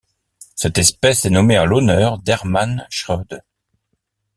Cette espèce est nommée en l'honneur d'Hermann Schoede.